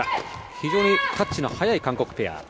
非常にタッチの速い韓国ペア。